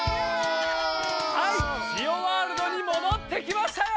はいジオワールドにもどってきましたよ！